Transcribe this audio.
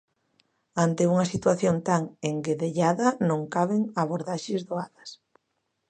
Ante unha situación tan enguedellada non caben abordaxes doadas.